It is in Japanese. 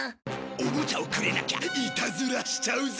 おもちゃをくれなきゃイタズラしちゃうぞ！